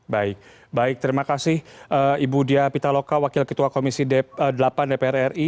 baik baik terima kasih ibu dia pitaloka wakil ketua komisi delapan dpr ri